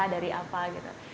dari apa gitu